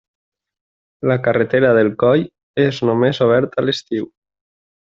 La carretera del coll és només oberta l'estiu.